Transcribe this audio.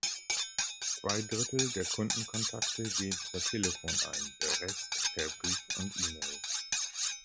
Zwei Drittel der Kundenkontakte gehen per Telefon ein, der Rest per Brief und E-Mail.